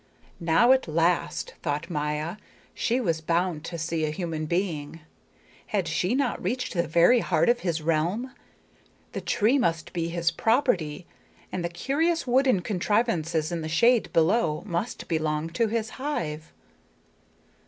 Now at last, thought Maya, she was bound to see a human being. Had she not reached the very heart of his realm? The tree must be his property, and the curious wooden contrivances in the shade below must belong to his hive.